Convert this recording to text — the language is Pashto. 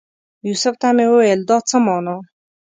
یوسف ته مې وویل دا څه مانا؟